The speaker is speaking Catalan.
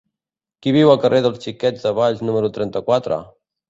Qui viu al carrer dels Xiquets de Valls número trenta-quatre?